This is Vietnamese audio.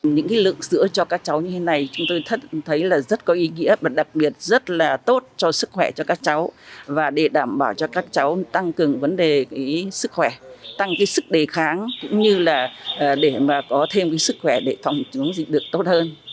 những lượng sữa cho các cháu như thế này chúng tôi thấy là rất có ý nghĩa và đặc biệt rất là tốt cho sức khỏe cho các cháu và để đảm bảo cho các cháu tăng cường vấn đề sức khỏe tăng sức đề kháng cũng như là để mà có thêm sức khỏe để phòng chống dịch được tốt hơn